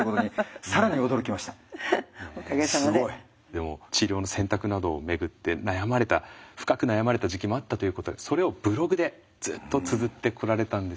でも治療の選択などをめぐって悩まれた深く悩まれた時期もあったということでそれをブログでずっとつづってこられたんですよね。